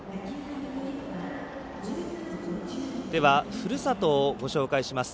ふるさとをご紹介します。